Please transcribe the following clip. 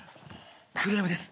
クレームです。